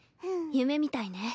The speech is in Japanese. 夢みたいね。